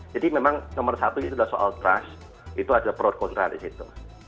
jadi memang nomor satu itu adalah soal trust itu ada prot kontra di situ